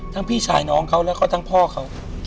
พี่ชายน้องเขาแล้วก็ทั้งพ่อเขา